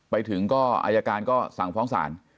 ไปถึงก็อายการก็สั่งฟ้องศาล